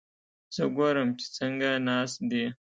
زه ګورم چې څنګه ناست دي؟